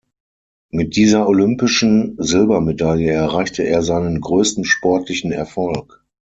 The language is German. Mit dieser olympischen Silbermedaille erreichte er seinen größten sportlichen Erfolg.